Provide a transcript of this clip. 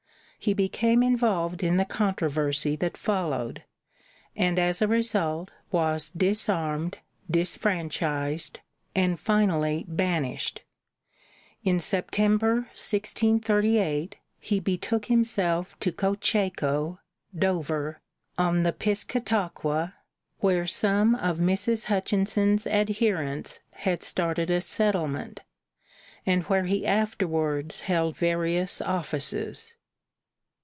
He became involved in the controversy that followed, and as a result was disarmed, disfranchised, and finally banished. In September, 1638, he betook himself to Cocheco (Dover), on the Piscataqua, where some of Mrs. Hutchinson's adherents had started a settlement, and where he afterwards held various offices.